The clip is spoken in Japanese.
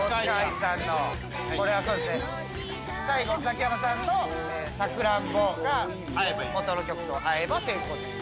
これは最後のザキヤマさんの「さくらんぼ」がもとの曲と合えば成功です。